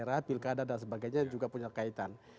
daerah pilkada dan sebagainya juga punya kaitan